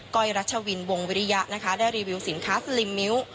้อยรัชวินวงวิริยะนะคะได้รีวิวสินค้าสลิมมิ้ว